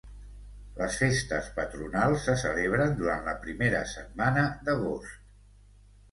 Les festes patronals se celebren durant la primera setmana d'agost.